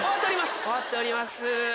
終わっております。